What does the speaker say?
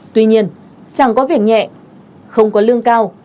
tuy nhiên chẳng có việc nhẹ không có lương cao